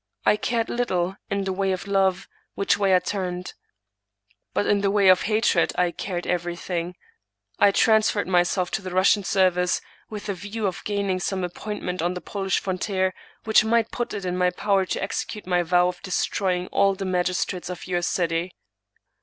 I cared little, in the way of love, which way I turned. But in the way of hatred I cared everything. I transferred myself to the Russian service, with the view of gaining some appointment on the Polish frontier, which might put it in my power to execute my vow of destroying all the magistrates of your city.